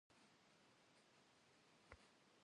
Psım têtu ts'ıxum kxhuafejêyç'e, kxhuhç'e helhe zerêşşe.